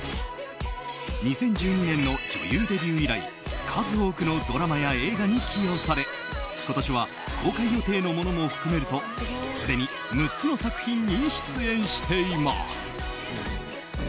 ２０１２年の女優デビュー以来数多くのドラマや映画に起用され今年は公開予定のものも含めるとすでに６つの作品に出演しています。